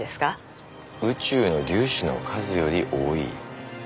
宇宙の粒子の数より多い？